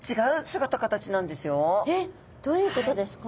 どういうことですか？